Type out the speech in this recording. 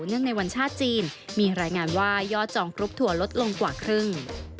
ในวันชาติจีนมีรายงานว่ายอดจองกรุ๊ปทัวร์ลดลงกว่าครึ่ง